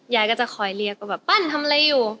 ยายก็จะคอยเรียกว่าแบบปั้นทำอะไรอยู่